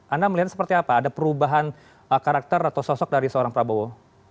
anda melihat seperti apa ada perubahan karakter atau sosok dari seorang prabowo